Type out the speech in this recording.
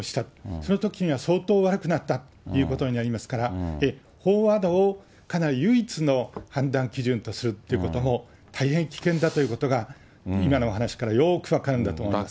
そのときには相当悪くなったっていうことになりますから、飽和度をかなり、唯一の判断基準とするってことも大変危険だということが、今のお話からよーく分かるんだと思います。